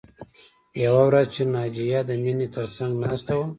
یوه ورځ چې ناجیه د مینې تر څنګ ناسته وه